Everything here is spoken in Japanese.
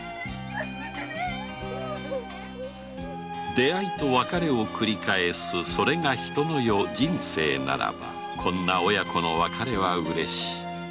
出会いと別れを繰り返すそれが人の世人生ならばこんな親子の別れは嬉し。